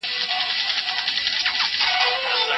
ارمان کاکا پخوا ډېر قوي و.